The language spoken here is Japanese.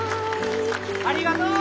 ありがとう！